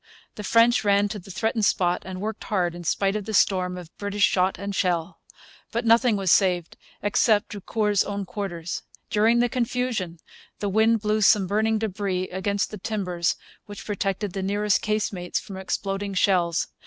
The French ran to the threatened spot and worked hard, in spite of the storm of British shot and shell. But nothing was saved, except Drucour's own quarters. During the confusion the wind blew some burning debris against the timbers which protected the nearest casemates from exploding shells.